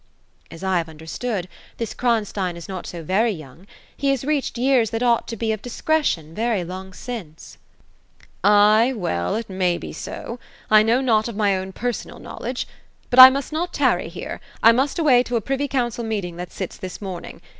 ^* As I have understood, this Kronstein is not so very young. He has reached years that ought to be of discretion, very long since." 252 OPHELU. ;^ Ay, well,' it may be so. I know not of my own personal knowledge. But I must not tarry here ; I must away to a priyy council meeting that sits this morning.